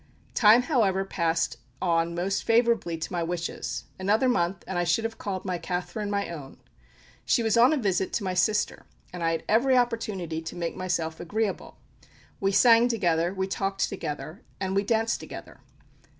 Time, however, passed on most favourably to my wishes another month, and I should have called my Catherine my own. She was on a visit to my sister, and I had every opportunity to make myself agreeable. We sang together, we talked together, and we danced together.